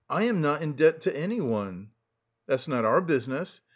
am not in debt to anyone!" "That's not our business.